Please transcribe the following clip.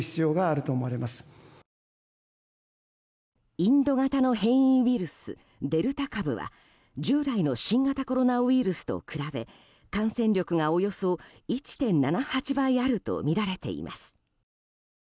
インド型の変異ウイルスデルタ株は従来の新型コロナウイルスと比べ感染力がおよそ１．７８倍あるとみられています。